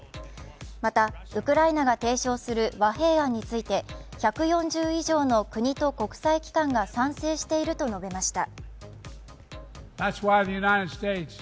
また、ウクライナが提唱する和平案について１４０以上の国と国際機関が賛成していると述べました。